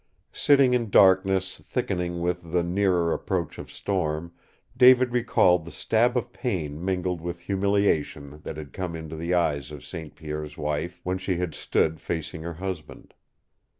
Sitting in darkness thickening with the nearer approach of storm, David recalled the stab of pain mingled with humiliation that had come into the eyes of St. Pierre's wife when she had stood facing her husband.